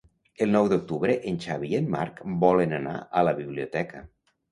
El nou d'octubre en Xavi i en Marc volen anar a la biblioteca.